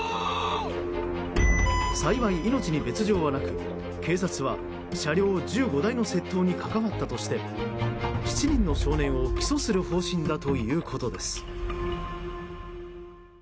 幸い、命に別条はなく警察は車両１５台の窃盗に関わったとして７人の少年を起訴する方針だということです。